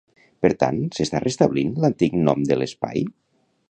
Per tant, s'està restablint l'antic nom de l'espai?